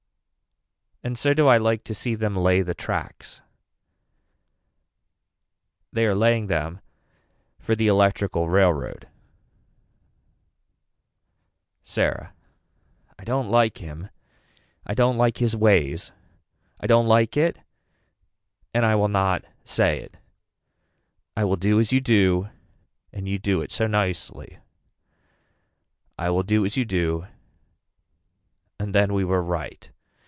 And so do I like to see them lay the tracks. They are laying them for the electrical railroad. Sarah. I don't like him. I don't like his ways. I don't like it and I will not say it. I will do as you do and you do it so nicely. I will do as you do and then we were right.